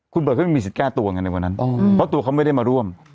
คุณเบิร์ดก็ไม่มีสิทธิ์แก้ตัวอย่างงั้นในวันนั้นอืมเพราะตัวเขาไม่ได้มาร่วม